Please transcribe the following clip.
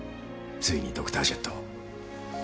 ついにドクタージェットを。